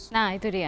nah itu dia